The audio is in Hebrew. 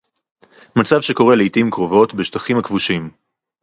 מצב שקורה לעתים קרובות בשטחים הכבושים